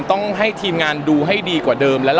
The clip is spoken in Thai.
ต้องให้ทีมงานดูให้ดีกว่าเดิม